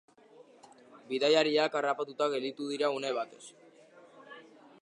Bidaiariak harrapatuta gelditu dira une batez.